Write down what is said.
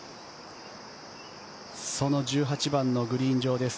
その１８番のグリーン上です。